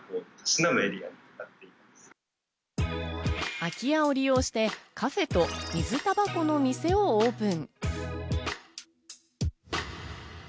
空き家を利用して、カフェと水たばこの店をオープン。